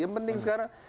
yang penting sekarang